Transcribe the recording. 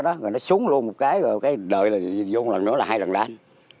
rồi nó xuống luôn một cái rồi cái đợi vô một lần nữa là hai lần đàn